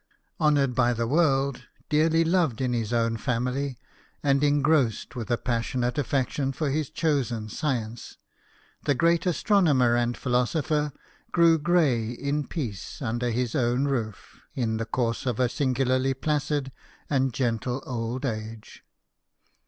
Honoured by the world, dearly loved in his own family, and engrossed with a passionate affection for his chosen science, the great astronomer and philosopher grew grey in peace under his own roof, in the course of a singularly placid and gentle old age.